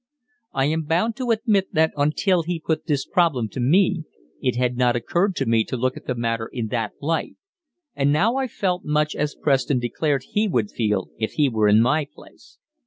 I am bound to admit that until he put this problem to me it had not occurred to me to look at the matter in that light, and now I felt much as Preston declared he would feel if he were in my place.